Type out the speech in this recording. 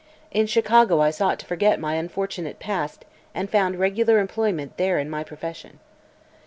In Chicago I sought to forget my unfortunate past and found regular employment there in my profession.